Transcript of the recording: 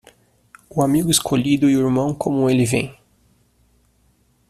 O amigo escolhido e o irmão como ele vem.